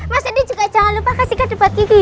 mas rendy juga jangan lupa kasih kadebat gigi ya